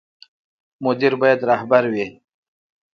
مدیر باید رهبر وي